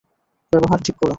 ব্যবহার ঠিক করো।